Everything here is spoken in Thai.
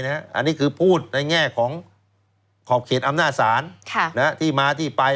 อันนี้คือพูดในแง่ของขอบเขตอำนาจศาลที่มาที่ไป